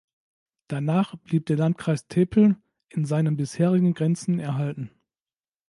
Danach blieb der Landkreis Tepl in seinen bisherigen Grenzen erhalten.